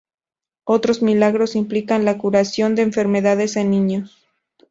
Otros milagros implican la curación de enfermedades en niños.